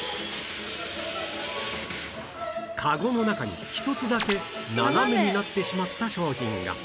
籠の中に一つだけ斜めになってしまった商品が